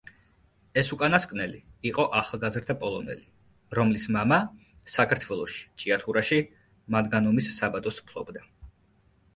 ეს უკანასკნელი იყო ახალგაზრდა პოლონელი, რომლის მამა საქართველოში, ჭიათურაში მანგანუმის საბადოს ფლობდა.